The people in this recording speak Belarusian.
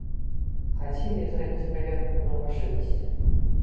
Хацелі зрабіць праверку на вашывасць.